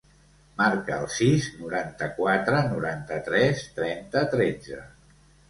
Marca el sis, noranta-quatre, noranta-tres, trenta, tretze.